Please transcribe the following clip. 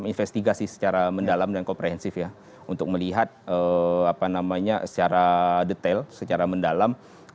investigasi secara mendalam dan komprehensif ya untuk melihat apa namanya secara detail secara mendalam